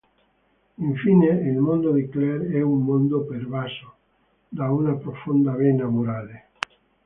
Infine il mondo di Clair è un mondo pervaso da una profonda vena morale.